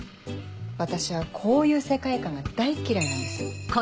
私はこういう世界観が大嫌いなんです。